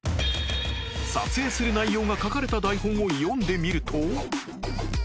撮影する内容が書かれた台本を読んでみると